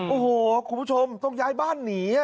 โอ้โหคุณผู้ชมต้องย้ายบ้านหนี